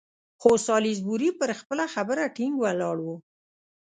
خو سالیزبوري پر خپله خبره ټینګ ولاړ وو.